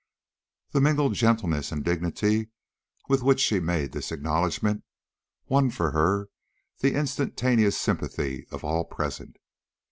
The mingled gentleness and dignity with which she made this acknowledgment won for her the instantaneous sympathy of all present.